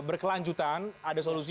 berkelanjutan ada solusi